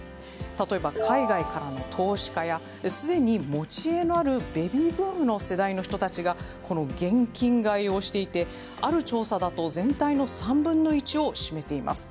例えば、海外からの投資家やすでに持ち家のあるベビーブームの世代の人たちがこの現金買いをしていてある調査だと全体の３分の１を占めています。